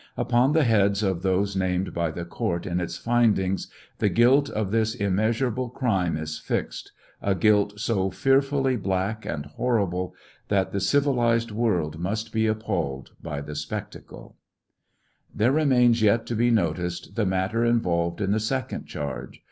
Upon the heads of those named by the court in its findings the guilt of this immeasurable crime is fixed, a guilt so fearfully black and horrible, that the civilized world must be appalled by the spectacle. 810 TRIAL OF HENRY WIRZ. There remains yet to be' noticed the matter involved in the second charge.'